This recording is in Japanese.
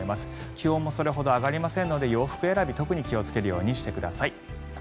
気温もそれほど上がりませんので洋服選び、特に気をつけるようにしてください。